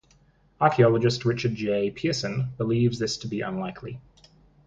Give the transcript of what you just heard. Archaeologist Richard J. Pearson believes this to be unlikely.